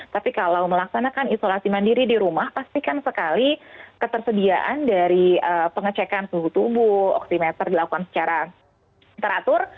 tapi kalau melaksanakan isolasi mandiri di rumah pastikan sekali ketersediaan dari pengecekan suhu tubuh oximeter dilakukan secara teratur